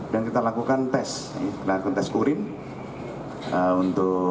dan kita lakukan tes lakukan tes kurin